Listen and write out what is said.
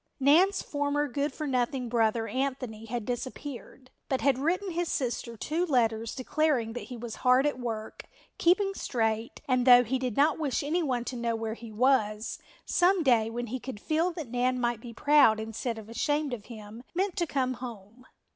Nan's former good for nothing brother, Anthony, had disappeared, but had written his sister two letters declaring that he was hard at work, keeping straight, and, though he did not wish anyone to know where he was, some day when he could feel that Nan might be proud instead of ashamed of him, meant to come home.